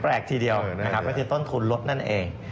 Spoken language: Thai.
แปลกทีเดียวนะครับเป็นที่ต้นทุนลดนั่นเอง